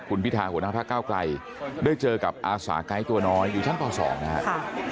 คุณพิธาหัวหน้าภาคก้าวกลายได้เจอกับอาสาไกรส์ตัวน้อยอยู่ชั้นต่อสองนะฮะ